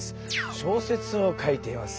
小説を書いています。